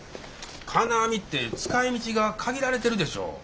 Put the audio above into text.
金網って使いみちが限られてるでしょ。